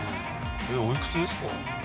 おいくつですか？